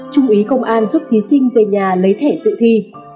trung úy công an giúp thí sinh về nhà lấy thẻ dự thi